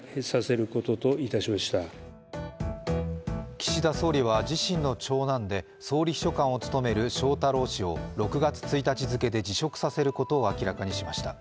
岸田総理は自身の長男で総理秘書官を務める翔太郎氏を６月１日付けで辞職させることを明らかにしました。